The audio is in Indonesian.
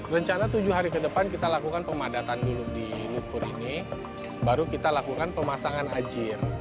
rencana tujuh hari ke depan kita lakukan pemadatan dulu di lumpur ini baru kita lakukan pemasangan ajir